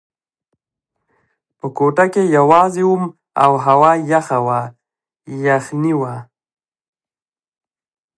په کوټه کې یوازې وم او هوا یخه وه، یخنۍ وه.